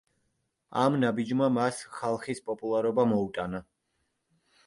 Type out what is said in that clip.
ამ ნაბიჯმა მას ხალხის პოპულარობა მოუტანა.